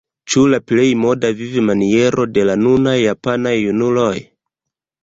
Ĉu la plej moda vivmaniero de la nuntempaj japanaj junuloj?